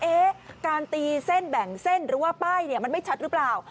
การตีเส้นแบ่งเส้นหรือว่าป้ายเนี่ยมันไม่ชัดหรือเปล่า